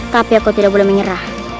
tapi aku tidak boleh menyerah